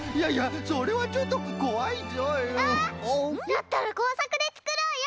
だったらこうさくでつくろうよ！